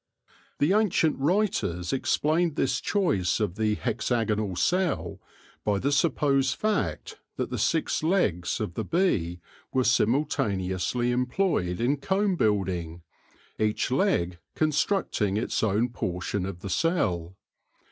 The ancient writers explained this choice of the hexagonal cell by the supposed fact that the six legs of the bee were simultaneously employed in comb building, each leg constructing its own por tion of the cell.